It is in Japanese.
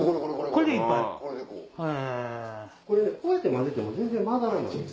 これねこうやって混ぜても全然混ざらない。